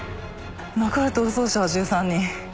残る逃走者は１３人。